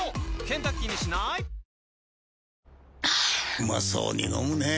うまそうに飲むねぇ。